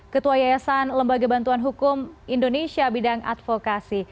ketua yayasan lembaga bantuan hukum indonesia bidang advokasi